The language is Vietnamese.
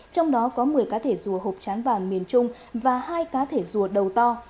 trong đó có một mươi cá thể rùa hộp trán vàng miền trung và hai cá thể rùa đầu to